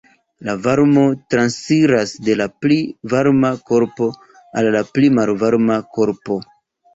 La varmo transiras de la pli varma korpo al la pli malvarma korpo.